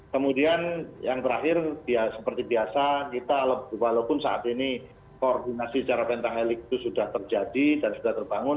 kemudian yang terakhir ya seperti biasa kita walaupun saat ini koordinasi secara mental helik itu sudah terjadi dan sudah terbangun